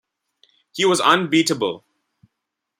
He was unbeatable.